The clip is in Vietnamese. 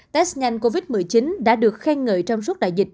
test nhanh covid một mươi chín đã được khen ngợi trong suốt đại dịch